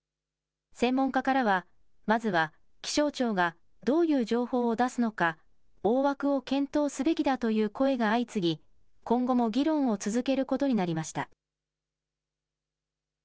専門家からは、まずは気象庁がどういう情報を出すのか、大枠を検討すべきだという声が相次ぎ、今後も議論を続けることになりました。